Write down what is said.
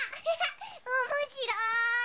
おもしろい！